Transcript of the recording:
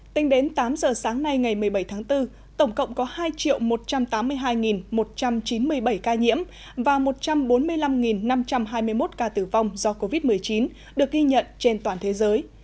tính đến tám giờ sáng nay ngày một mươi bảy tháng bốn tổng cộng có hai một trăm tám mươi hai một trăm chín mươi bảy ca nhiễm và một trăm bốn mươi năm năm trăm hai mươi một ca tử vong do covid một mươi chín được ghi nhận trên toàn thế giới